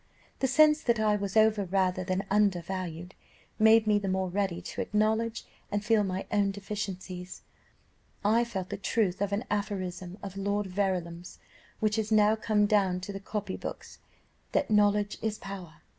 The sense that I was over rather than under valued, made me the more ready to acknowledge and feel my own deficiencies. I felt the truth of an aphorism of Lord Verulam's, which is now come down to the copy books; that 'knowledge is power.